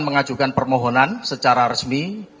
mengajukan permohonan secara resmi